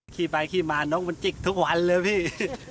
ขี่ไปขี้มาน้องมันจิ๊กทุกวันเลยพี่